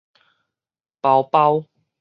包包